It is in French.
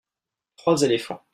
trois éléphants.